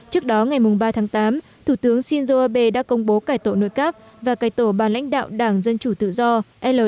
trước đó ngày ba tháng tám thủ tướng shinzo abe đã công bố cải tổ nội các và cải tổ bàn lãnh đạo đảng dân chủ tự do